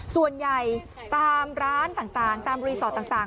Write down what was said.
ส่วนใหญ่ตามร้านต่างตามรีสอร์ทต่าง